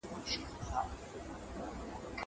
زه انځور ليدلی دی!